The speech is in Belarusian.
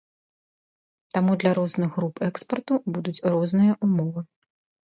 Таму для розных груп экспарту будуць розныя ўмовы.